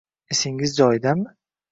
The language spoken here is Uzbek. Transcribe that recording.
Esingiz joyidami